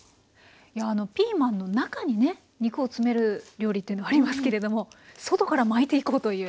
ピーマンの中にね肉を詰める料理っていうのはありますけれども外から巻いていこうという。